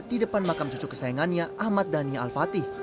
di depan makam cucu kesayangannya ahmad dhani al fatih